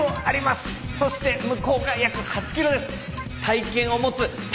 そして向こうが約８ｋｇです。